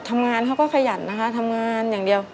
ทำงานเขาก็ขยันนะคะทำงานอย่างเดียว